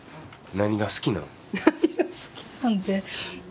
何が好きなんって。